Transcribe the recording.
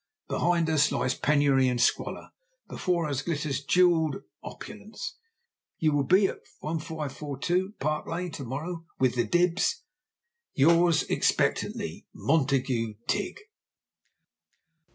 Behind us lies penury and squalor, before us glitters jewelled opulence. You will be at 1542 Park Lane to morrow with the dibs?—Yours expectantly, MONTAGUE TIGG.